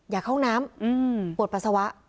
อยากเข้าห้องน้ำปวดปัสสาวะ